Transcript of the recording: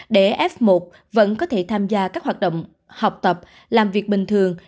để f một vẫn có thể tham gia các hoạt động học tập làm việc bình thường